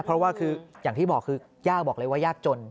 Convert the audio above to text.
เพราะว่าคืออย่างที่บอกคือย่าบอกเลยว่ายากจน